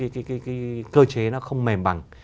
cái cơ chế nó không mềm bằng